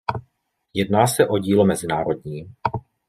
Jedná se o dílo mezinárodní.